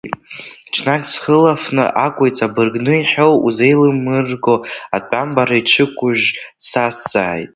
Ҽнак, дсыхлафны акәу иҵабыргны иҳәоу узеилмырго, атәамбара иҿықәыжж дсазҵааит…